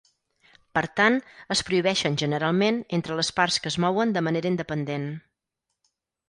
Per tant, es prohibeixen generalment entre les parts que es mouen de manera independent.